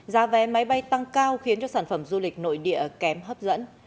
giá vé máy bay tăng cao khiến cho sản phẩm du lịch nội địa kém hấp dẫn